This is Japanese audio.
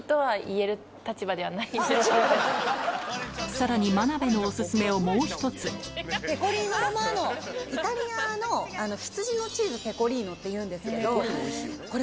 さらに眞鍋のおすすめをもう１つイタリアの羊のチーズ「ペコリーノ」っていうんですけどこれ